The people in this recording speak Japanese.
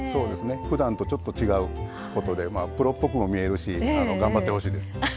ふだんと、ちょっと違うということでプロっぽく見えますし頑張ってほしいです。